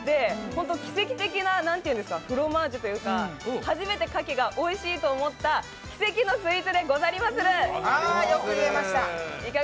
本当、奇跡的なフロマージュというか初めて柿がおいしいと思った奇跡のスイーツでございまする。